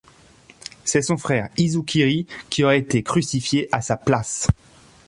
C'est son frère Isukiri qui aurait été crucifié à sa place.